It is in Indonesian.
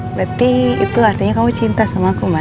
berarti itu artinya kamu cinta sama aku